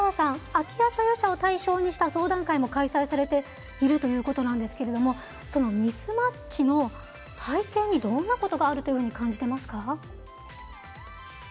空き家所有者を対象にした相談会も開催されているということなんですけれどもそのミスマッチの背景にどんなことがあるというふうに感じていますか？